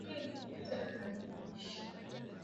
walisikia juu ya meli kujigonga kwenye barafu